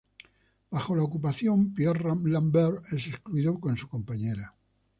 Bajo la ocupación, Pierre Lambert es excluido con su compañera.